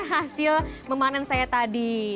hasil memanen saya tadi